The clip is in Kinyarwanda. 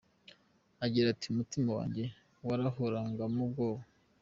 Agira ati “Umutima wanjye wahoragamo ubwoba.